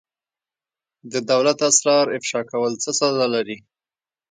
د دولت اسرار افشا کول څه سزا لري؟